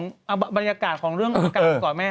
เอาบรรยากาศของเรื่องอาการก่อนแม่